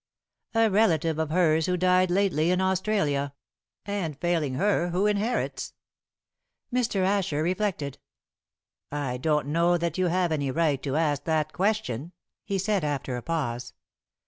"A relative of hers who died lately in Australia." "And failing her who inherits?" Mr. Asher reflected. "I don't know that you have any right to ask that question," he said, after a pause.